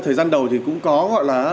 thời gian đầu thì cũng có gọi là